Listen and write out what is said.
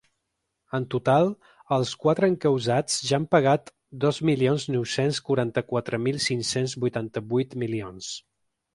En total, els quatre encausats ja han pagat dos milions nou-cents quaranta-quatre mil cinc-cents vuitanta-vuit milions.